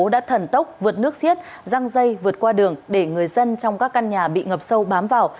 đã thần tốc vượt nước xiết răng dây vượt qua đường để người dân trong các căn nhà bị ngập sâu bám vào